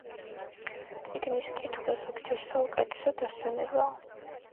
წიგნის კითხვა ზოგჯერ საუკეთესო დასვენებაა.